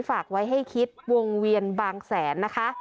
ฝากไว้ให้คิดวงเวียนบางแสนนะคะ